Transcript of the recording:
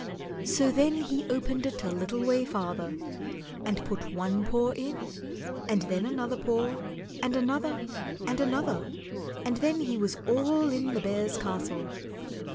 So then he opened it a little way farther, and put one paw in, and then another paw, and another and another, and then he was all in the Bears' Castle.